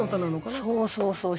そうそうそう。